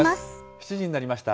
７時になりました。